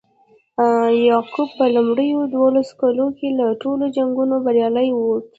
یعقوب په لومړیو دولسو کالو کې له ټولو جنګونو بریالی ووت.